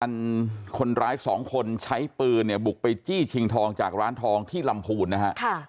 คนร้ายสองคนใช้ปืนเนี่ยบุกไปจี้ชิงทองจากร้านทองที่ลำพูนนะฮะ